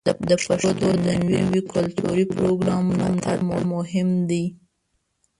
د پښتو د نویو کلتوري پروګرامونو ملاتړ مهم دی.